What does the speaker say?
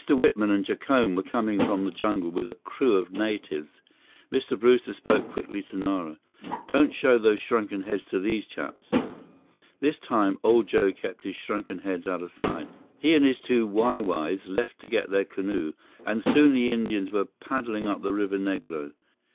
Whitman and Jacome were coming from the jungle with a crew of natives. Mr. Brewster spoke quickly to Nara. "Don't show those shrunken heads to these chaps!" This time old Joe kept his shrunken heads out of sight. He and his two Wai Wais left to get their canoe, and soon the Indians were paddling up the Rio Negro.